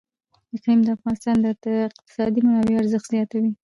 اقلیم د افغانستان د اقتصادي منابعو ارزښت زیاتوي.